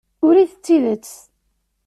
Urid d tidet.